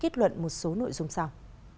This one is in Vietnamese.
kết luận một số nội dung sau